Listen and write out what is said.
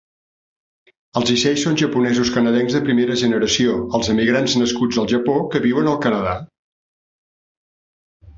Els "Issei" són japonesos-canadencs de primera generació, els emigrants nascuts al Japó que viuen al Canadà.